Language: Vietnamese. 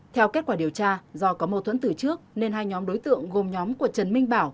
theo kết quả điều tra do có mâu thuẫn từ trước nên hai nhóm đối tượng gồm nhóm của trần minh bảo